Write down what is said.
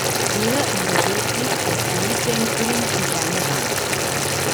Dieser engagiert sie als Leadsängerin für seine Band.